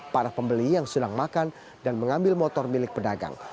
para pembeli yang sedang makan dan mengambil motor milik pedagang